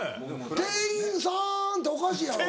「店員さん」っておかしいやろ。